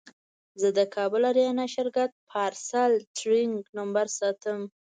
زه د کابل اریانا شرکت پارسل ټرېک نمبر ساتم.